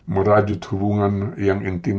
merajut hubungan yang intim